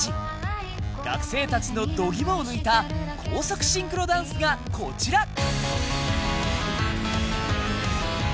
学生たちの度肝を抜いた高速シンクロダンスがこちら。